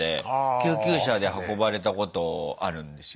救急車で運ばれたことあるんですよ。